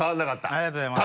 ありがとうございます。